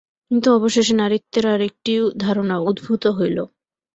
কিন্তু অবশেষে নারীত্বের আর একটি ধারণা উদ্ভূত হইল।